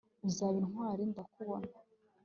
uzaba intwari ndakubona